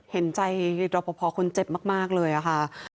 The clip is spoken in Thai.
เห็นใจรอปภคนเจ็บมากเลยค่ะ